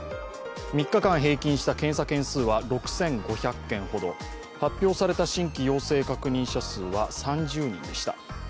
３日間平均した検査件数は６５００件ほど、発表された新規陽性確認者数は３０人でした。